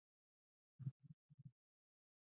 مارکوپولو له دې لارې تیر شوی و